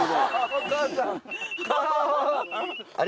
お母さん。